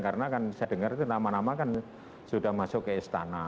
karena kan saya dengar itu nama nama kan sudah masuk ke istana